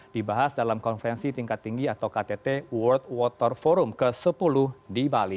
dibahas dalam konferensi tingkat tinggi atau ktt world water forum ke sepuluh di bali